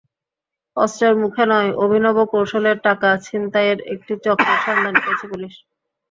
অস্ত্রের মুখে নয়, অভিনব কৌশলে টাকা ছিনতাইয়ের একটি চক্রের সন্ধান পেয়েছে পুলিশ।